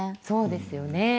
そうですよね。